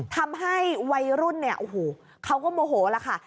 ทำให้วัยรุ่นเนี่ยโอ้โหเขาก็โมโหแล้วค่ะ